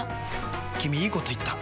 君いいこと言った！